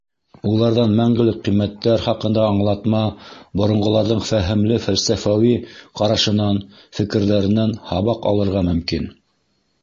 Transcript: Уларҙан мәңгелек ҡиммәттәр хаҡында аңлатма, боронғоларҙың фәһемле, фәлсәфәүи ҡарашынан, фекерҙәренән һабаҡ алырға мөмкин.